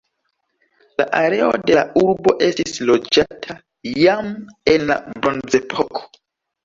La areo de la urbo estis loĝata jam en la bronzepoko.